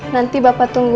nanti bapak tunggu